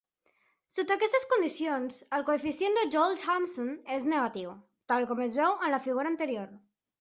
Sota aquestes condicions, el coeficient de Joule-Thomson és negatiu, tal com es veu en la figura anterior.